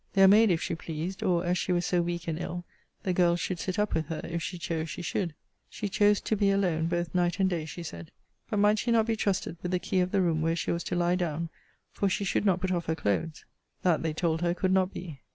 Their maid, if she pleased; or, as she was so weak and ill, the girl should sit up with her, if she chose she should. She chose to be alone both night and day, she said. But might she not be trusted with the key of the room where she was to lie down; for she should not put off her clothes! That, they told her, could not be.